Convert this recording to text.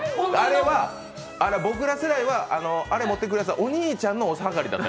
僕ら世代は、あれを持ってくる奴はお兄ちゃんのお下がりだった。